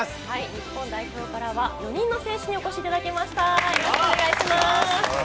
日本代表からは４人の選手にお越しいただきました、よろしくお願いします。